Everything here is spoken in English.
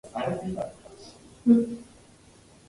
The abbey is open to visitors during the summer months.